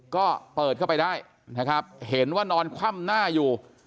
ก็เปิดเข้าไปได้นะครับเห็นว่านอนคว่ำหน้าอยู่